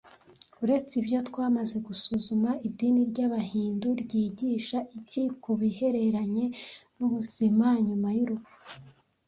uretse ibyo twamaze gusuzuma, idini ry’Abahindu ryigisha iki ku bihereranye n’ubuzima nyuma y’urupfu